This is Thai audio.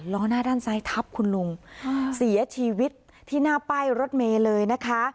ล้อหน้าด้านซ้ายทับคุณลุงเสียชีวิตที่หน้าป้ายรถเมย์เลยนะคะ